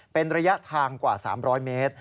เป็นระยะทางกว่า๓๐๐เมตร